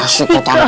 masih kok tante